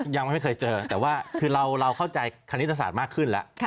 ยังไม่เคยเจอแต่ว่าคือเราเข้าใจคณิตศาสตร์มากขึ้นแล้ว